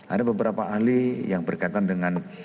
ada beberapa ahli yang berkaitan dengan